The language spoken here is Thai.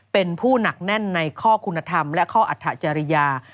เป็นผู้หนักแน่นในข้อคุณธรรมและข้ออัฐจริยา